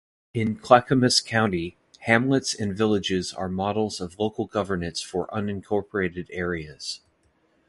In Clackamas County, hamlets and villages are models of local governance for unincorporated areas.